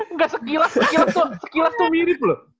enggak sekilas sekilas tuh mirip loh